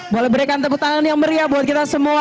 boleh berikan tepuk tangan yang meriah buat kita semua